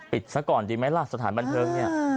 ซะก่อนดีไหมล่ะสถานบันเทิงเนี่ย